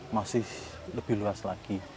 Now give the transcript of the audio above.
masih lebih luas lagi